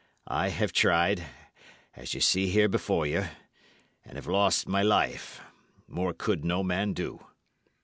I have tried, as ye see here before you, and have lost my life. More could no man do."